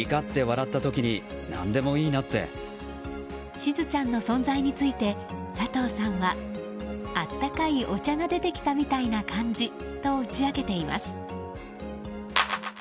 しずちゃんの存在について佐藤さんはあったかいお茶が出てきたみたいな感じと打ち明けています。